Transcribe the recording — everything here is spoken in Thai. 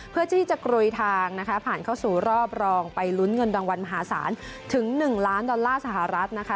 เพื่อที่จะกลุยทางนะคะผ่านเข้าสู่รอบรองไปลุ้นเงินรางวัลมหาศาลถึง๑ล้านดอลลาร์สหรัฐนะคะ